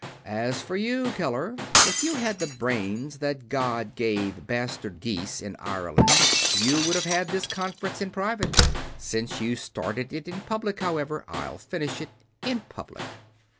"As for you, Keller, if you had the brains that God gave bastard geese in Ireland, you would have had this conference in private. Since you started it in public, however, I'll finish it in public.